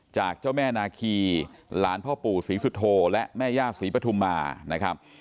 จากเจ้าแม่นาคีหลานพ่อปู่ศรีสุโธและแม่ย่าศรีปฐุมานะครับ